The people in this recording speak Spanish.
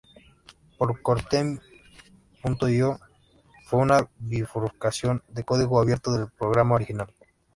Popcorntime.io fue una bifurcación de código abierto del programa original.